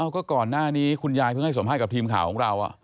ก็ก่อนหน้านี้คุณยายเพิ่งให้สัมภาษณ์กับทีมข่าวของเรา